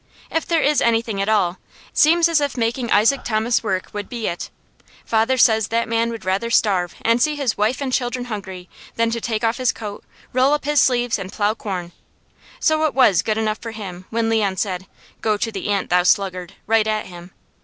If there is anything at all, seems as if making Isaac Thomas work would be it. Father says that man would rather starve and see his wife and children hungry than to take off his coat, roll up his sleeves, and plow corn; so it was good enough for him when Leon said, 'Go to the ant, thou sluggard,' right at him.